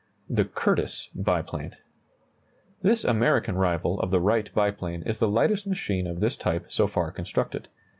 THE CURTISS BIPLANE. This American rival of the Wright biplane is the lightest machine of this type so far constructed.